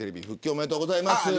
おめでとうございます。